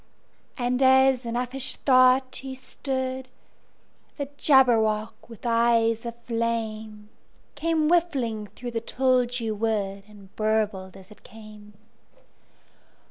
And as in uffish thought he stood, The Jabberwock, with eyes of flame, Came whiffling through the tulgey wood, And burbled as it came!